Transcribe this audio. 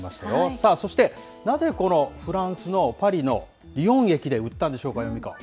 さあ、そしてなぜこのフランスのパリのリヨン駅で売ったんでしょ